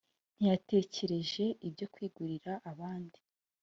ntiyatekereje ibyo kwigarurira abandi